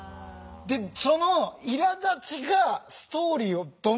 でそのいらだちがストーリーをどんどん面白くしちゃう。